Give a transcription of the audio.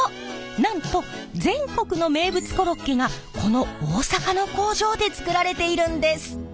なんと全国の名物コロッケがこの大阪の工場で作られているんです！